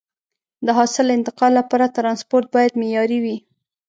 د حاصل انتقال لپاره ترانسپورت باید معیاري وي.